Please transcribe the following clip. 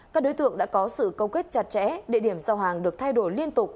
các đối tượng đã có sự công kết chặt chẽ địa điểm sau hàng được thay đổi liên tục